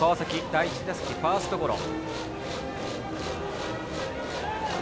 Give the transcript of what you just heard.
第１打席、ファーストゴロ。